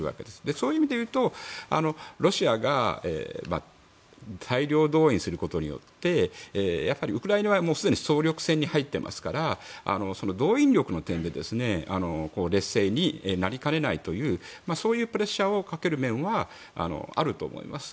そういう意味で言うと、ロシアが大量動員することによってウクライナはもうすでに総力戦に入っていますから動員力の点で劣勢になりかねないというそういうプレッシャーをかける面はあると思います。